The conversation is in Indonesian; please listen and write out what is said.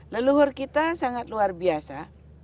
leluhur kita sangat luar biasa